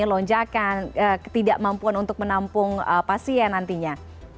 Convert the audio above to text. lonjakan ketidakmampuan untuk menampung pasien nantinya